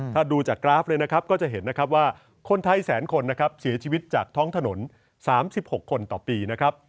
ถ้าดูจากกราฟเลยนะครับก็จะเห็นนะครับว่าคนไทยแสนคนนะครับเสียชีวิตจากท้องถนน๓๖คนต่อปีนะครับ